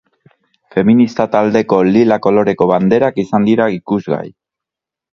Feminista taldeko lila koloreko banderak izan dira ikusgai.